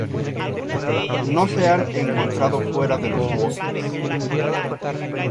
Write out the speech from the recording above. No se han encontrado fuera de los bosques.